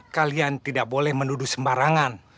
kalian tidak boleh menuduh sembarangan